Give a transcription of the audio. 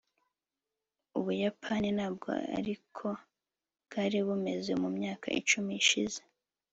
ubuyapani ntabwo ariko bwari bumeze mu myaka icumi ishize